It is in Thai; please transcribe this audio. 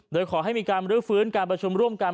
โดยขอให้มีการบรื้อฟื้นการประชุมร่วมกัน